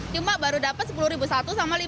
cuma baru dapat rp sepuluh seratus sama rp lima seratus